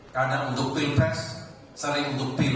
kadang untuk keinvest sering untuk pilih